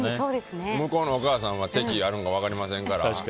向こうのお義母さんは敵意あるかわかりませんから。